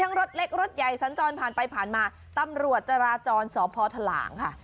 รถเล็กรถใหญ่สัญจรผ่านไปผ่านมาตำรวจจราจรสพทหลางค่ะ